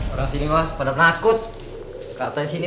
orang sini mah pada penakut kata sini